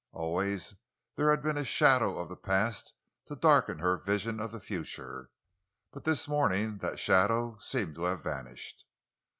Always there had been a shadow of the past to darken her vision of the future, but this morning that shadow seemed to have vanished.